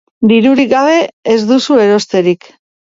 Dirurik gabe ez duzu erosterik.